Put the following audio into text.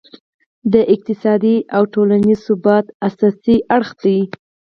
د اقتصادي او ټولینز ثبات اساسي اړخ دی.